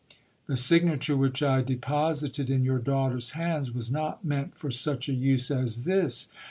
The signature which I deposited in your daughters hands was not meant for such a use as this.